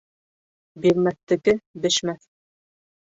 Бирмәҫтеке бешмәҫ.